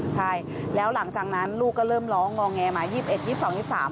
ใช่แล้วหลังจากนั้นลูกก็เริ่มร้องรองแหนมา